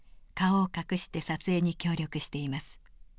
顔を隠して撮影に協力しています。